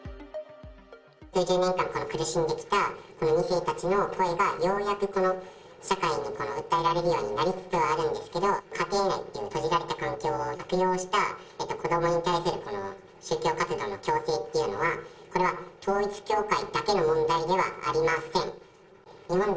この数十年間苦しんできた２世たちの声がようやくこの社会に訴えられるようになりつつあるんですけど、家庭内という、閉じられた環境を悪用した、子どもに対する宗教活動の強制っていうのは、これは統一教会だけの問題ではありません。